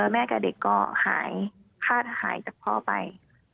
แม่กับเด็กก็หายคาดหายจากพ่อไป